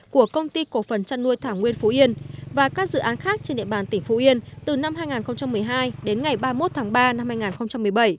của công ty cổ phần chăn nuôi thảo nguyên phú yên và các dự án khác trên địa bàn tỉnh phú yên từ năm hai nghìn một mươi hai đến ngày ba mươi một tháng ba năm hai nghìn một mươi bảy